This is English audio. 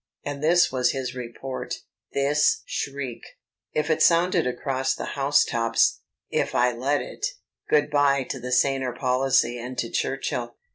And this was his report, this shriek. If it sounded across the house tops if I let it good by to the saner policy and to Churchill.